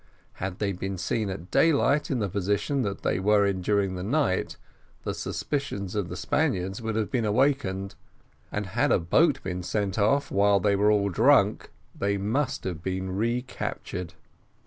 Had they been seen at daylight in the position that they were in during the night, the suspicions of the Spaniards would have been awakened; and had a boat been sent off, while they were all drunk, they must have been recaptured.